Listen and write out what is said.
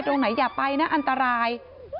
ตรงไหนอย่าไปนะอันตราย